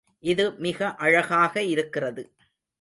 இது மிக அழகாக இருக்கிறது.